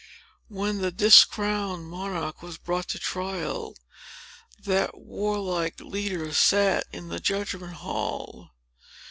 When the discrowned monarch was brought to trial, that warlike leader sat in the judgment hall.